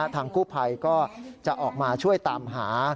ทางกู้ภัยก็จะออกมาช่วยตามหา